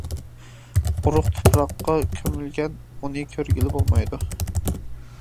ئۇرۇق تۇپراققا كۆمۈلگەن، ئۇنى كۆرگىلى بولمايدۇ.